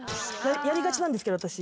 やりがちなんですけど私。